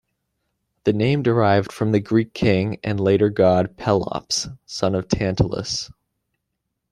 The name derived from the Greek king and later god Pelops, son of Tantalus.